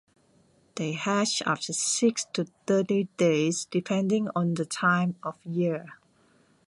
They hatch after six to thirty days depending on the time of year.